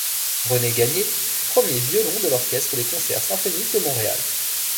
René Gagnier, fut premier violon de l’Orchestre des concerts symphoniques de Montréal.